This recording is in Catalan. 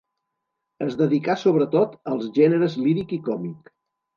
Es dedicà sobretot als gèneres líric i còmic.